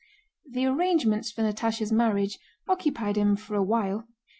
The arrangements for Natásha's marriage occupied him for a while.